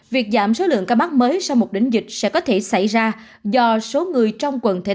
việc giảm số lượng ca mắc mới sau một đỉnh dịch sẽ có thể xảy ra do số người trong quần thể